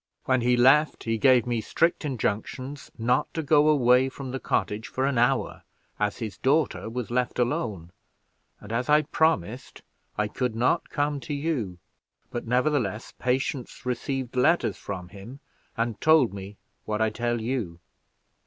When he left, he gave me strict injunctions not to go away from the cottage for an hour, as his daughter was left alone; and as I promised, I could not come to you; but, nevertheless, Patience received letters from him, and told me what I tell you."